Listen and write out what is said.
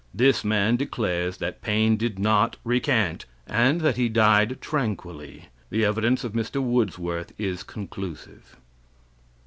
This man declares that Paine did not recant, and that he died tranquilly. The evidence of Mr. Woodsworth is conclusive.